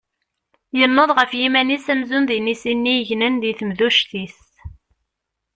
Yenneḍ ɣef yiman-is amzun d inisi-nni yegnen di temduct-is.